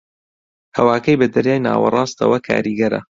ھەواکەی بە دەریای ناوەڕاستەوە کاریگەرە